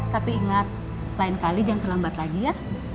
tapi ingat lain kali jangan terlambat lagi ya